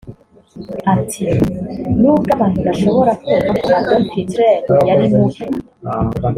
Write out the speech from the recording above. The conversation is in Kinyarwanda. Ati "Nubwo abantu bashobora kumva ko Adolf Hitler yari mubi